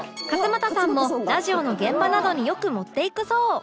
勝俣さんもラジオの現場などによく持っていくそう